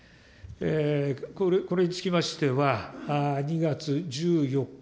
これにつきましては、２月１４日、